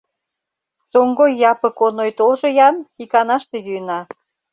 Соҥгой Япык Оной толжо-ян, иканаште йӱына...